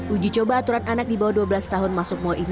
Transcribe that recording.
uji coba aturan anak di bawah dua belas tahun masuk mall itu